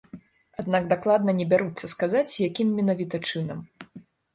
Аднак дакладна не бяруцца сказаць, якім менавіта чынам.